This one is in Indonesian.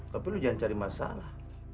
tapi lu jangan cari masalah